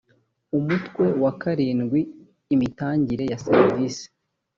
umutwe wa karindwi imitangire ya serivisi